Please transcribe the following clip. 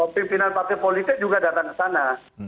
pimpinan partai politik juga datang ke sana